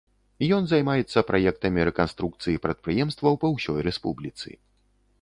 Ён займаецца праектамі рэканструкцыі прадпрыемстваў па ўсёй рэспубліцы.